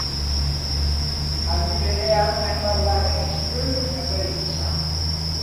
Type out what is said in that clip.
Aldi berean hainbat lan egin zituen bakarlari gisa.